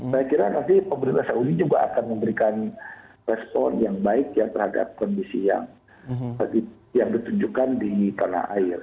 saya kira nanti pemerintah saudi juga akan memberikan respon yang baik ya terhadap kondisi yang ditunjukkan di tanah air